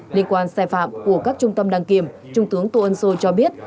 liên quan sai phạm của các trung tâm đăng kiểm trung tướng tô ân sô cho biết